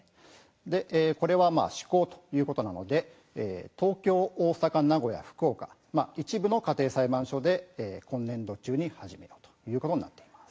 これは試行ということなので東京、大阪、名古屋、福岡一部の家庭裁判所で今年度中に始めようということになっています。